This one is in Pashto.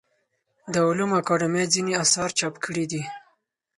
د علومو اکاډمۍ ځینې اثار چاپ کړي دي.